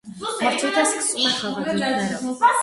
Մրցույթը սկսվում է խաղադրույքներով։